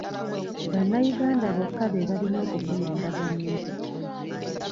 Bannayunda bokka be balina okufuna endagamuntu.